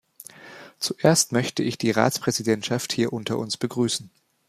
Zuerst möchte ich die Ratspräsidentschaft hier unter uns begrüßen.